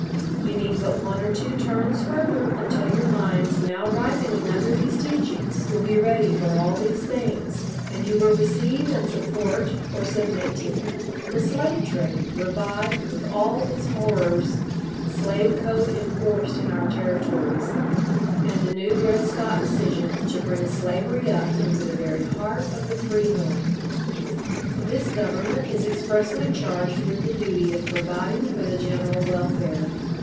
You need but one or two turns further until your minds, now ripening under these teachings, will be ready for all these things; and you will receive and support, or submit to, the slave trade revived with all its horrors, a slave code enforced in our Territories, and a new Dred Scott decision to bring slavery up into the very heart of the free North. This Government is expressly charged with the duty of providing for the general welfare.